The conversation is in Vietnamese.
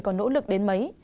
có nỗ lực đến mấy